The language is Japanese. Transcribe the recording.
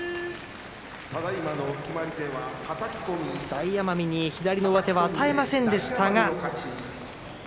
大奄美に左の上手を与えませんでしたが。